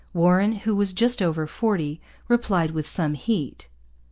Warren, who was just over forty, replied with some heat.